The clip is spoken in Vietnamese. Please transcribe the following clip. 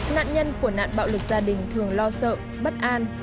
nạn nhân của nạn bạo lực gia đình thường lo sợ bất an